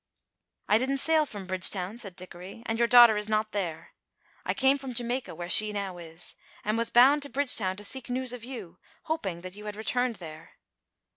"I didn't sail from Bridgetown," said Dickory, "and your daughter is not there. I come from Jamaica, where she now is, and was bound to Bridgetown to seek news of you, hoping that you had returned there."